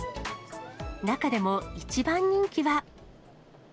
中でも一番人気は。